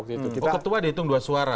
oh ketua dihitung dua suara